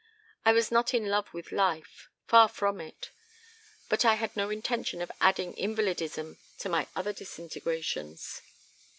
I was not in love with life, far from it! But I had no intention of adding invalidism to my other disintegrations.